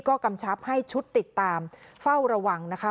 ก็กำชับให้ชุดติดตามเฝ้าระวังนะคะ